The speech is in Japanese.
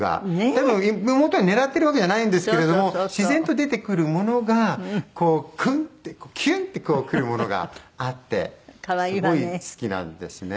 でも妹は狙ってるわけじゃないんですけれども自然と出てくるものがこうキュンってくるものがあってすごい好きなんですね。